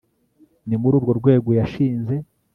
ni muri urwo rwego yashinze